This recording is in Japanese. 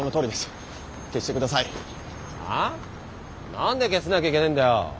何で消さなきゃいけないんだよ。